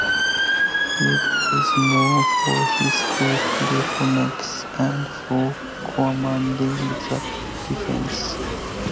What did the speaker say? Diego is known for his quick reflexes and for commanding the defense.